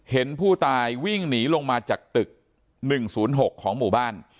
เห็นผู้ตายวิ่งหนีลงมาจากตึกหนึ่งศูนย์หกของหมู่บ้าน